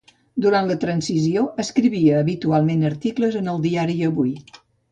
Durant la Transició, escrivia habitualment articles en el diari Avui.